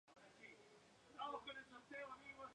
Luego, no se convirtió en actor en películas de largometraje.